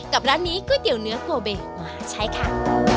ร้านนี้ก๋วยเตี๋ยวเนื้อโกเบมาใช้ค่ะ